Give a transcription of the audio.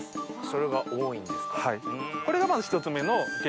それが多いんですか。